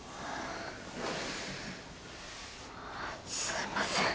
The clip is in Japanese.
すいません。